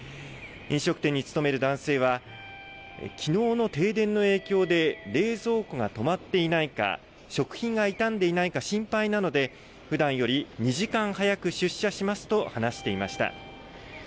飲食店に勤める男性はきのうの停電の影響で冷蔵庫が止まっていないか、食品が傷んでいないか心配なのでふだんより２時間早く出社しますと話していました。